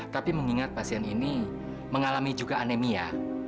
tapi mengingat pasien ini mengalami juga anemia